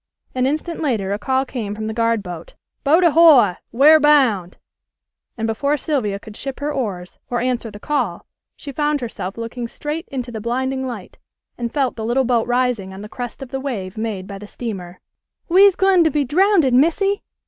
An instant later a call came from the guardboat. "Boat ahoy! Where bound?" and before Sylvia could ship her oars or answer the call she found herself looking straight into the blinding light, and felt the little boat rising on the crest of the wave made by the steamer. "We's gwine to be drownded, Missy!"